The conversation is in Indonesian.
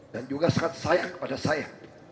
dan juga sangat sayang kepada saya